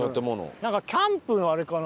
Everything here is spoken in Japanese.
なんかキャンプのあれかな？